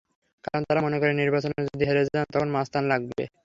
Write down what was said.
কারণ, তাঁরা মনে করেন, নির্বাচনে যদি হেরে যান, তখন মাস্তান লাগবে।